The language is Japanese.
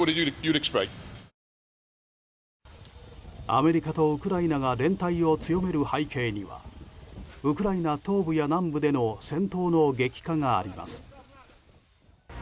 アメリカとウクライナが連帯を強める背景にはウクライナ東部や南部での戦闘の激化があります。